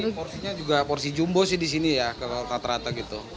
jadi porsinya juga porsi jumbo sih disini ya kalau rata rata gitu